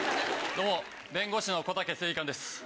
どうも弁護士のこたけ正義感です。